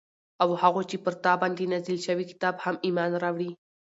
او هغو چې پر تا باندي نازل شوي كتاب هم ايمان راوړي